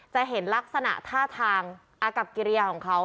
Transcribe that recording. จะเห็นลักษณะท่าทางอากับกิริยาของเขา